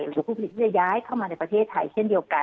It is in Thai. หรือผู้ผลิตที่จะย้ายเข้ามาในประเทศไทยเช่นเดียวกัน